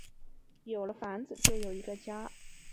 有了房子就是有一个家